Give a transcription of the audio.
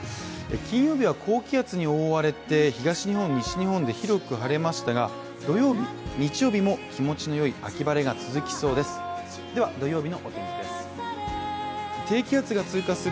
金曜日は高気圧に覆われて東日本・西日本で広く晴れましたが土曜日、日曜日も気持ちのよい秋晴れが続きそうです。